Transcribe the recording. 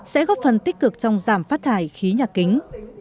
sẽ góp phần tích cực trong giảm phát thải khí nhà kính